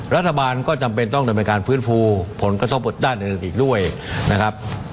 รัฐบาลก็จำเป็นต้องเป็นการฟื้นฟูผลกระทบบุตรด้านเศรษฐกิจด้วยนะครับ